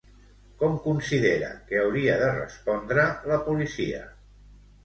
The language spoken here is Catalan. Com considera que hauria de respondre la policia?